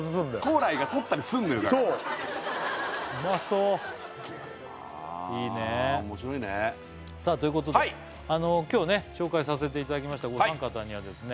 光来がとったりすんのよだからうまそうすげえないいね面白いねということで今日ね紹介させていただきましたお三方にはですね